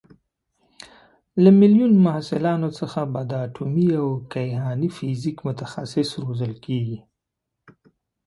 له میلیون محصلانو څخه به د اټومي او کیهاني فیزیک متخصص روزل کېږي.